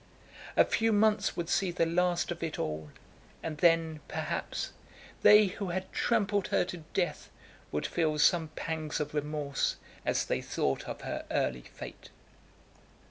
A few months would see the last of it all, and then, perhaps, they who had trampled her to death would feel some pangs of remorse as they thought of her early fate.